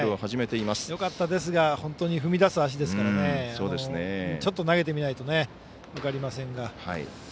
よかったですが、本当に踏み出す足ですからちょっと投げてみないと分かりませんが。